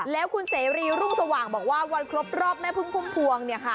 แล้วคุณเศรีรุ่งสว่างบอกว่าวันครบรอบแม่พึ่งพ่วง